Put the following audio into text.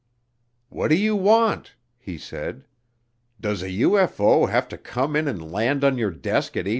"What do you want?" he said. "Does a UFO have to come in and land on your desk at ATIC?"